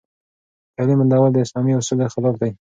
د تعليم بندول د اسلامي اصولو خلاف دي.